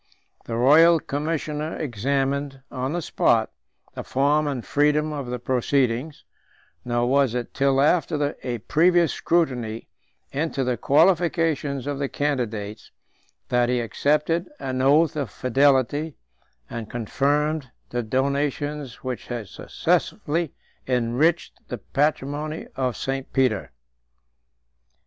The royal commissioner examined, on the spot, the form and freedom of the proceedings; nor was it till after a previous scrutiny into the qualifications of the candidates, that he accepted an oath of fidelity, and confirmed the donations which had successively enriched the patrimony of St. Peter.